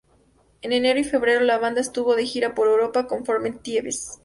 En enero y febrero, la banda estuvo de gira por Europa con Former Thieves.